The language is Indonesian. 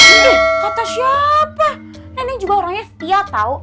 ih kata siapa neneng juga orangnya setia tau